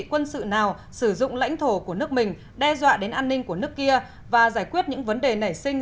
quân sự nào sử dụng lãnh thổ của nước mình đe dọa đến an ninh của nước kia và giải quyết những vấn đề nảy sinh